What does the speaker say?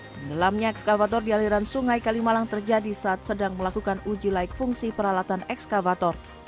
tenggelamnya ekskavator di aliran sungai kalimalang terjadi saat sedang melakukan uji laik fungsi peralatan ekskavator